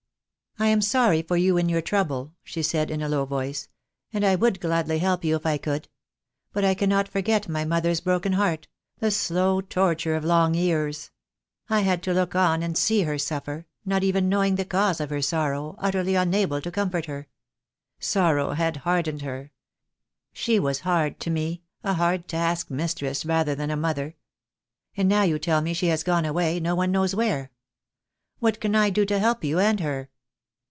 "I am sorry for you in your trouble," she said, in a low voice, "and I would gladly help you if I could. But I cannot forget my mother's broken heart — the slow tor ture of long years. I had to look on and see her suffer, 2 32 THE DAY WILL COME. not even knowing the cause of her sorrow, utterly unable to comfort her. Sorrow had hardened her. She was hard to me, a hard task mistress rather than a mother. And now you tell me she has gone away, no one knows where. What can I do to help you and her?"